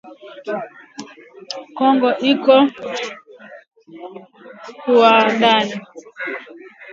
Kongo iko napokeya watu wengi kwa ajili ya mali inayo kuwa ndani